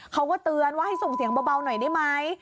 เขาก็เตือนว่าให้ส่งเสียงเบาหน่อยได้ไหม